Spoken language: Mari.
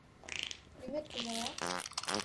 Лӱмет кузела?